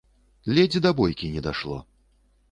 Ледзь да бойкі не дайшло.